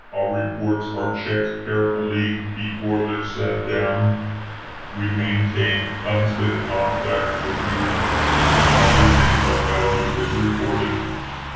Our reports are checked carefully before they're sent down. We maintain constant contact with you; everything of value is reported.